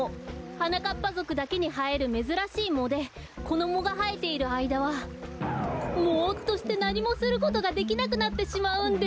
はなかっぱぞくだけにはえるめずらしいもでこのもがはえているあいだはもっとしてなにもすることができなくなってしまうんです！